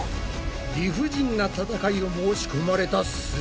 理不尽な戦いを申し込まれたす